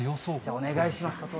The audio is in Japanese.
お願いします。